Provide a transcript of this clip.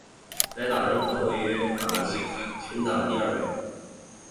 该岛人口也位居法罗群岛第二位。